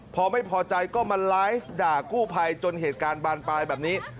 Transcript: พอไม่พอใจก็มาไลฟ์ด่ากู้ภัยจนเหตุการณ์บานปลายแบบนี้